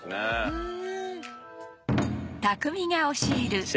へえ。